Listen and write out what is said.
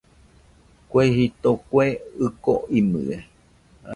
Kue jito, kue ɨko imɨe